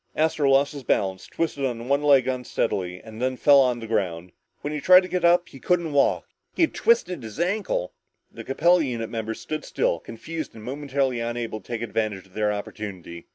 Astro lost his balance, twisted on one leg unsteadily, and then fell to the ground. When he tried to get up, he couldn't walk. He had twisted his ankle. The Capella unit members stood still, confused and momentarily unable to take advantage of their opportunity.